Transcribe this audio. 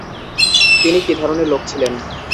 তিনি কি ধরনের লোক ছিলেন?